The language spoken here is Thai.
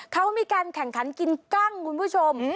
เขามีการแข่งขันกินกั้งคุณผู้ชม